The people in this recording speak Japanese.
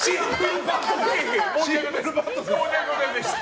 申し訳ございませんでした。